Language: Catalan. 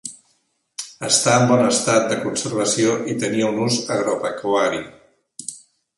Està en bon estat de conservació i tenia un ús agropecuari.